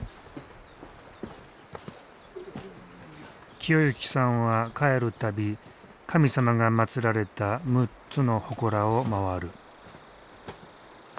清幸さんは帰る度神様がまつられた６つのほこらを回る。